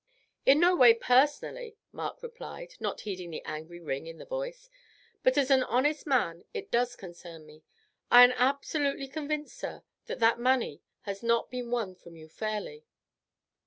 "In no way personally," Mark replied, not heeding the angry ring in the voice, "but as an honest man it does concern me. I am absolutely convinced, sir, that that money has not been won from you fairly."